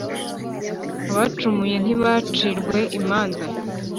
Abacumuye ntibacirwe imanza